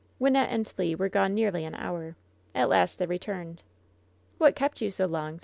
Wynnette and Le were gone nearly an hour. At last they returned. "What kept you so long